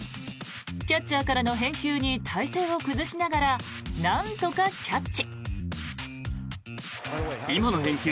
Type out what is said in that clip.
キャッチャーからの返球に体勢を崩しながらなんとかキャッチ。